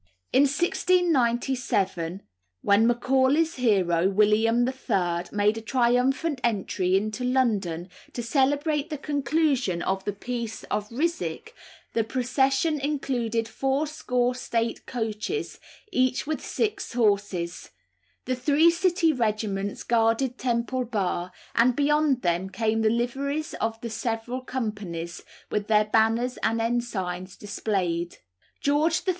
In 1697, when Macaulay's hero, William III., made a triumphant entry into London to celebrate the conclusion of the peace of Ryswick, the procession included fourscore state coaches, each with six horses; the three City regiments guarded Temple Bar, and beyond them came the liveries of the several companies, with their banners and ensigns displayed. George III.